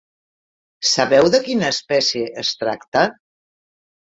Sabeu de quina espècie es tracta?